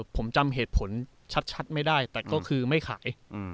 ผมจำเหตุผลชัดไม่ได้แต่ก็คือไม่ขาย